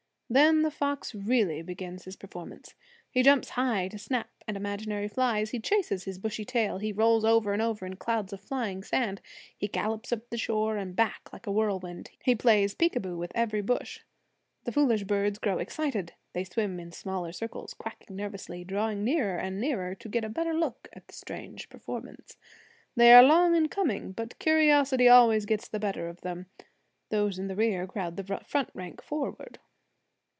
Then the fox really begins his performance. He jumps high to snap at imaginary flies; he chases his bushy tail; he rolls over and over in clouds of flying sand; he gallops up the shore, and back like a whirlwind; he plays peekaboo with every bush. The foolish birds grow excited; they swim in smaller circles, quacking nervously, drawing nearer and nearer to get a better look at the strange performance. They are long in coming, but curiosity always gets the better of them; those in the rear crowd the front rank forward.